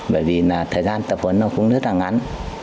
bởi vì là thời gian tập huấn nó cũng rất là ngắn